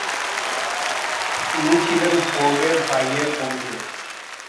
তিনি ছিলেন ফোর্ডের ভাইয়ের বন্ধু।